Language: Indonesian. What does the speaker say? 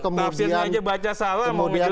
kalau tafsirnya aja baca salah mau jelasin